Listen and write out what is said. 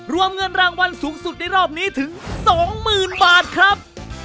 รวมเงินรางวัลสูงสุดในรอบนี้ถึง๒๐๐๐บาทครับ